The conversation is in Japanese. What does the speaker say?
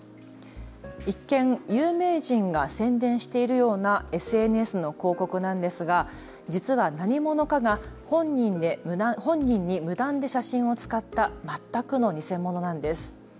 一見、有名人が宣伝しているようなＳＮＳの広告なんですが実は何者かが本人に無断で写真を使った全くの偽物なんです。